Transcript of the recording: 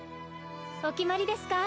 お決まりですか？